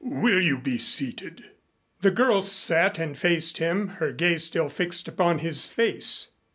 "Will you be seated?" The girl sat and faced him, her gaze still fixed upon his face.